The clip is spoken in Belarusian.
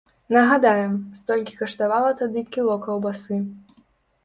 Нагадаем, столькі каштавала тады кіло каўбасы.